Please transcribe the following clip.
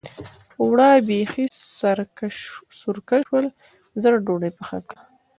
اوړه بېخي سرکه شول؛ ژر ډودۍ پخه کړه.